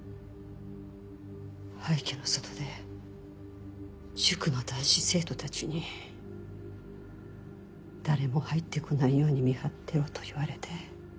廃虚の外で塾の男子生徒たちに誰も入って来ないように見張ってろと言われて。